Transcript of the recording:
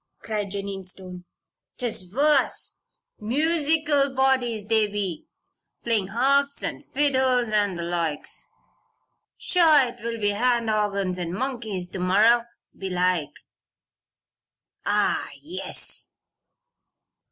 cried Jennie Stone. "'Tis worse. Musickle bodies, they be. Playin' harps an' fiddles, an' the loikes. Sure, 'twill be hand organs an' moonkeys to morrer, belike. Ah, yes!"